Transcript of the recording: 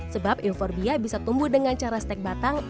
sebab euforbia bisa tumbuh dengan cara stek batang